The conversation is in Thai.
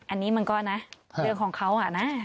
อันนี้มันก็นะเรื่องของเขาอะนะ